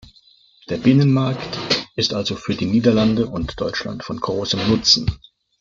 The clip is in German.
Der Binnenmarkt ist also für die Niederlande und Deutschland von großem Nutzen.